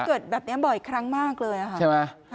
แล้วเกิดแบบนี้บ่อยครั้งมากเลยอะค่ะ